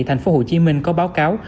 tp hcm có báo cáo